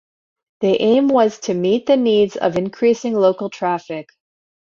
The aim was to meet the needs of increasing local traffic.